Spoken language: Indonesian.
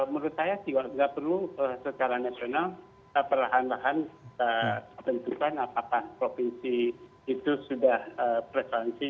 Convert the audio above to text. menurut saya tidak perlu secara nasional perlahan lahan tentukan apakah provinsi itu sudah prevalensi